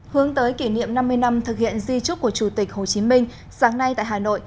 hướng tới kỷ niệm năm mươi năm thực hiện di trúc của chủ tịch hồ chí minh sáng nay tại hà nội